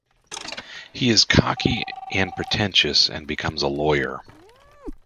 He is cocky and pretentious and becomes a lawyer.